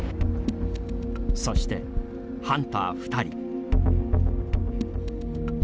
そして、ハンター２人。